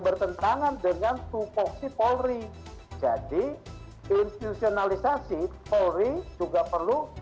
bertentangan dengan suko si polri jadi institutionalisasi polri juga perlu